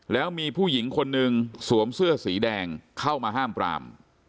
แล้วมีผู้หญิงคนหนึ่งสวมเสื้อสีแดงเข้ามาห้ามปราม